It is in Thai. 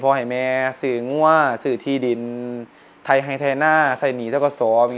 พอให้แม่สื่อง่ว่าสื่อที่ดินไทยไทยหน้าใส่หนีเท่ากับสวม